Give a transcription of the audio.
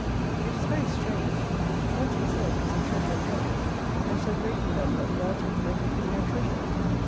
It is very strange ; want itself is a treasure in Heaven : and so great an one that without it there could be no treasure.